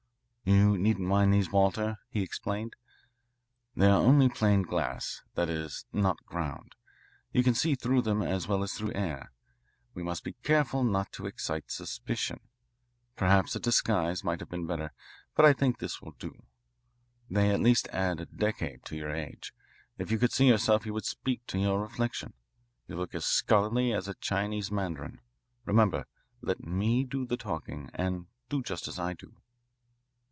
"You needn't mind these, Walter," he explained. "They are only plain glass, that is, not ground. You can see through them as well as through air. We must be careful not to excite suspicion. Perhaps a disguise might have been better, but I think this will=20do. There they add at least a decade to your age. If you could see yourself you wouldn't speak to your reflection. You look as scholarly as a Chinese mandarin. Remember, let me do the talking and do just as I do."